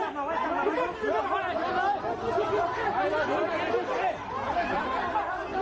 ก็คือแบบนึงนะฮะที่มันเป็นอองซานเรานะครับ